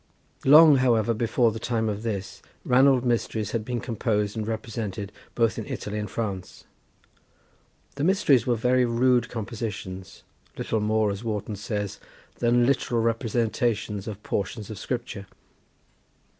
Long, however, before the time of this Ranald, Mysteries had been composed and represented both in Italy and France. The Mysteries were very rude compositions; little more, as Warton says, than literal representations of portions of Scripture.